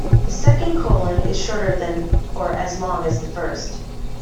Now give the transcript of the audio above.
The second colon is shorter than or as long as the first.